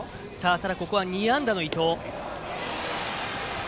ただ、ここは２安打の伊藤。